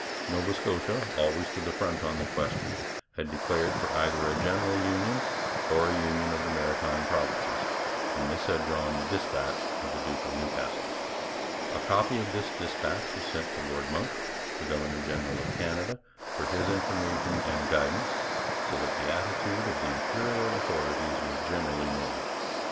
Nova Scotia, always to the front on the question, had declared for either a general union or a union of the Maritime Provinces, and this had drawn the dispatch of the Duke of Newcastle. A copy of this dispatch was sent to Lord Monck, the governor general of Canada, for his information and guidance, so that the attitude of the Imperial authorities was generally known.